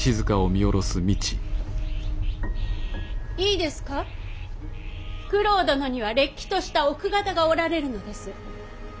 いいですか九郎殿にはれっきとした奥方がおられるのです。